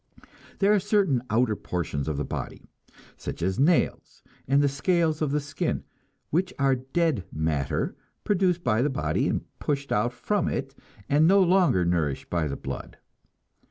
There are certain outer portions of the body, such as nails and the scales of the skin, which are dead matter, produced by the body and pushed out from it and no longer nourished by the blood.